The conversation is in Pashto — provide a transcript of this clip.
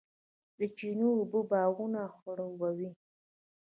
د چینو اوبه باغونه خړوبوي.